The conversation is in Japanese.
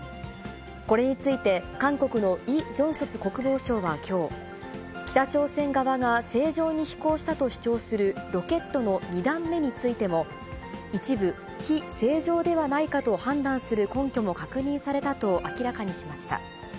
これについて、韓国のイ・ジョンソプ国防相はきょう、北朝鮮側が正常に飛行したと主張するロケットの２段目についても、一部、非正常ではないかと判断する根拠も確認されたと明らかにしました。